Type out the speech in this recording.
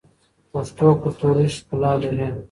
پښتو کلتوري ښکلا لري.